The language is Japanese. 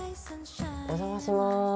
お邪魔します。